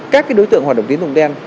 các cái đối tượng hoạt động tín tùng đen